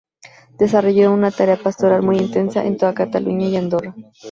Desarrolló una tarea pastoral muy intensa en toda Cataluña y Andorra.